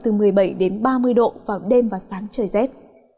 nhiệt độ tại đây sao động từ một mươi bảy đến ba mươi độ vào đêm và sáng trời rét